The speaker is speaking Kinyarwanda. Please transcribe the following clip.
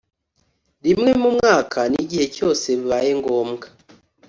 Rimwe mu mwaka n igihe cyose bibaye ngombwa